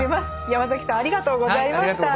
ヤマザキさんありがとうございました。